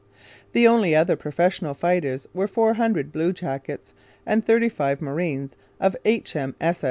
The only other professional fighters were four hundred blue jackets and thirty five marines of H.M.